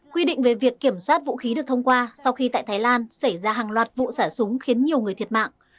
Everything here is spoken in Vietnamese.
quy định về việc kiểm soát vũ khí được thông qua sau khi tại thái lan xảy ra hàng loạt vụ xả súng khiến nhiều người thiệt mạng